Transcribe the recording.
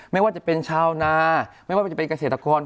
ไม่ว่าจะเป็นชาวนาไม่ว่าจะเป็นเกษตรกร